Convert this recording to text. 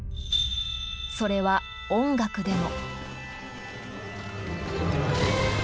それは音楽でも。